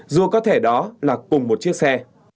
dù có thể đó là cùng một chiếc xe